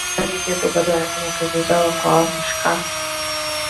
Waandishi wa habari Ethiopia bado wanafanya kazi zao kwa mashaka